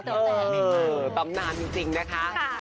ตำนานจริงนะคะ